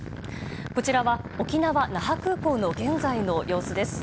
こちらは沖縄・那覇空港の現在の様子です。